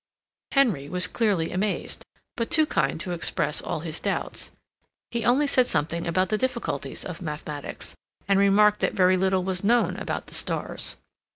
Henry was clearly amazed, but too kind to express all his doubts; he only said something about the difficulties of mathematics, and remarked that very little was known about the stars.